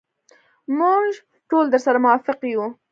موږ ټول درسره موافق یو.